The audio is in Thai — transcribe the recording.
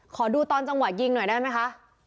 ขอดูตอนจังหวะยิงหน่อยได้ไหมคะ